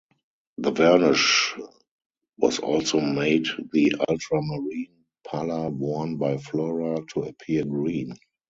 The varnish also made the ultramarine palla worn by Flora to appear green.